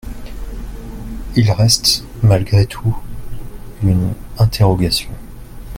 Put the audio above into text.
Il reste, malgré tout, une interrogation.